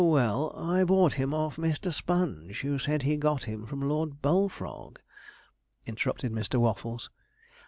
well, I bought him of Mr. Sponge, who said he got him from Lord Bullfrog,' interrupted Mr. Waffles.